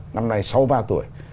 năm nay sau ba tuổi